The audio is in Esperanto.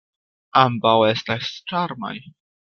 Ambaŭ estas ĉarmaj.